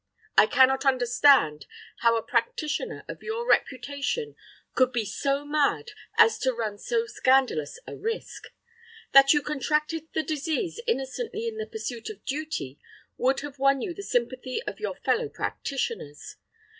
I cannot understand how a practitioner of your reputation could be so mad as to run so scandalous a risk. That you contracted the disease innocently in the pursuit of duty would have won you the sympathy of your fellow practitioners.